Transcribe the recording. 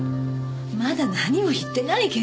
まだ何も言ってないけど。